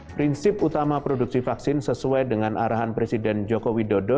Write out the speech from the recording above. prinsip utama produksi vaksin sesuai dengan arahan presiden joko widodo